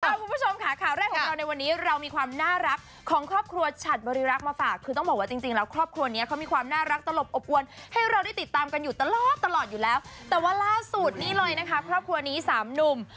คุณผู้ชมค่ะข่าวแรกของเราในวันนี้เรามีความน่ารักของครอบครัวฉัดบริรักษ์มาฝากคือต้องบอกว่าจริงจริงแล้วครอบครัวเนี้ยเขามีความน่ารักตลบอบอวนให้เราได้ติดตามกันอยู่ตลอดตลอดอยู่แล้วแต่ว่าล่าสุดนี่เลยนะคะครอบครัวนี้สามหนุ่ม